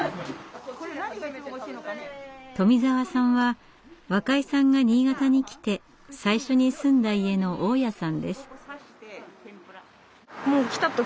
富澤さんは若井さんが新潟に来て最初に住んだ家の大家さんです。